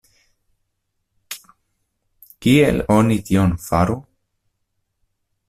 Kiel oni tion faru?